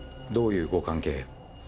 どういうご関係？